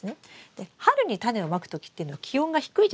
で春にタネをまくときっていうのは気温が低いじゃないですか。